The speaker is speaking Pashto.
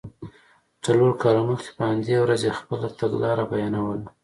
څلور کاله مخکې په همدې ورځ یې خپله تګلاره بیانوله.